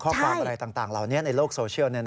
ข้อความอะไรต่างเหล่านี้ในโลกโซเชียล